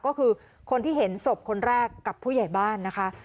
ก็คือคนที่เห็นศพคนแรกกับผู้ใหญ่บ้านนะคะ